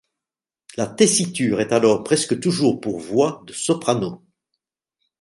La tessiture est alors presque toujours pour voix de soprano.